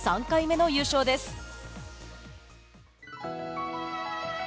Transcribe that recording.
３回目の優勝です。